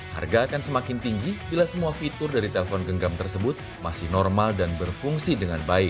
harga akan semakin tinggi bila semua fitur dari telpon genggam tersebut masih normal dan berfungsi dengan baik